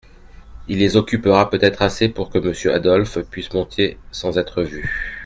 Il les occupera peut-être assez pour que Monsieur Adolphe puisse monter sans être vu.